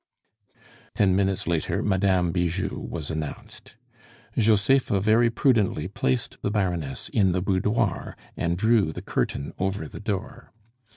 Ten minutes later Madame Bijou was announced. Josepha very prudently placed the Baroness in the boudoir, and drew the curtain over the door.